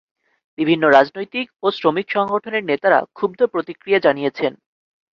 বিভিন্ন রাজনৈতিক ও শ্রমিক সংগঠনের নেতারা ক্ষুব্ধ প্রতিক্রিয়া জানিয়েছেন।